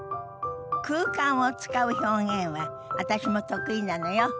空間を使う表現は私も得意なのよ。